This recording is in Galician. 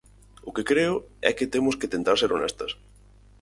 O que creo é que temos que tentar ser honestas.